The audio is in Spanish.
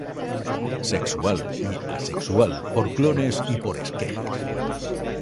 Sexual y Asexual, por clones y por esquejes.